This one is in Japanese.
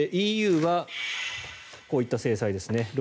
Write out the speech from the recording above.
ＥＵはこういった制裁ですね。